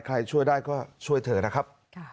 ใครช่วยได้ก็ช่วยเธอนะครับ